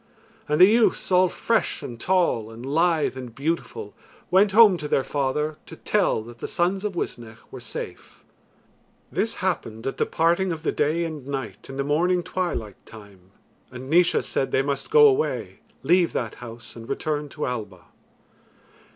And the youths all fresh and tall and lithe and beautiful, went home to their father to tell that the sons of Uisnech were safe. This happened at the parting of the day and night in the morning twilight time, and Naois said they must go away, leave that house, and return to Alba.